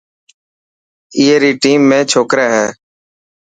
اي ري ٽيم ۾ ڇوڪري هي.